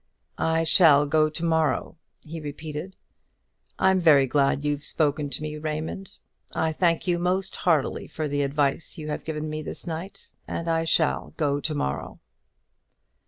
"I shall go to morrow," he repeated. "I'm very glad you've spoken to me, Raymond; I thank you most heartily for the advice you have given me this night; and I shall go to morrow."